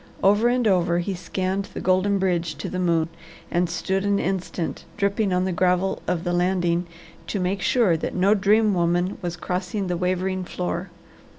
Over and over he scanned the golden bridge to the moon, and stood an instant dripping on the gravel of the landing to make sure that no dream woman was crossing the wavering floor!